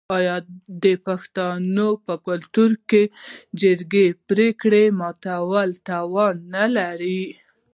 آیا د پښتنو په کلتور کې د جرګې پریکړه ماتول تاوان نلري؟